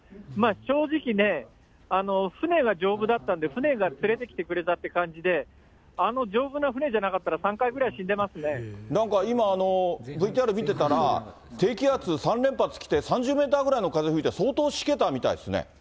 正直ね、船が丈夫だったんで、船が連れてきてくれたって感じで、あの丈夫な船じゃなかったら、３なんか今、ＶＴＲ見てたら、低気圧３連発来て、３０メートルぐらいの風吹いて、相当しけたみたいですね。